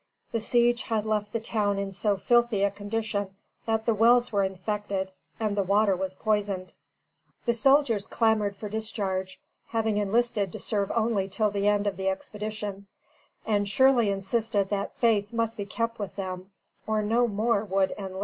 The siege had left the town in so filthy a condition that the wells were infected and the water was poisoned. The soldiers clamored for discharge, having enlisted to serve only till the end of the expedition; and Shirley insisted that faith must be kept with them, or no more would enlist.